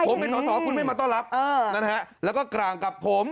ผมเป็นสอสอคุณไม่มาต้อนรับนะฮะแล้วก็กลางกับผม